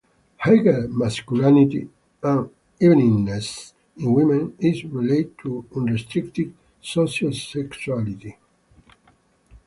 Higher masculinity and eveningness in women is related to unrestricted sociosexuality.